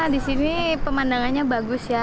disini pemandangannya bagus ya